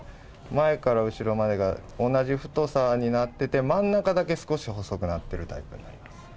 前から後ろまでが同じ太さになってて、真ん中だけ少し細くなっているタイプなんです。